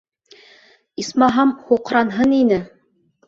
Исмаһам, һуҡранһын ине.